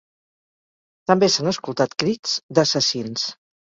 També s’han escoltat crits ‘d’assassins’.